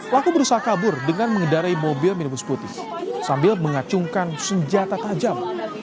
pelaku berusaha kabur dengan mengendarai mobil minibus putih sambil mengacungkan senjata tajam